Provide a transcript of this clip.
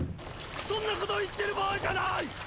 そんなこと言ってる場合じゃない！